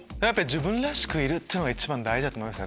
自分らしくいるのが一番大事だと思います。